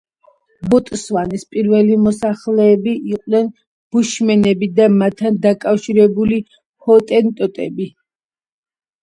ბოტსვანის პირველი მოსახლეები იყვნენ ბუშმენები და მათთან დაკავშირებული ჰოტენტოტები.